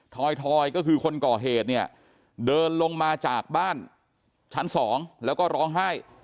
ถอยก็คือคนก่อเหตุเนี่ยเดินลงมาจากบ้านชั้น๒แล้วก็ร้องไห้